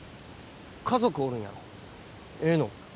家族おるんやろ？ええの？